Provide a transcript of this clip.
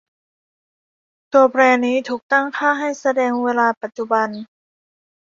ตัวแปรนี้ถูกตั้งค่าให้แสดงเวลาปัจจุบัน